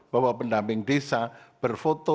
bahwa pendamping desa berfoto